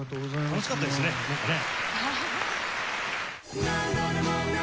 楽しかったですねなんかね。